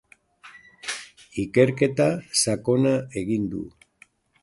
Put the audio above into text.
Ikerketa sakona egin du.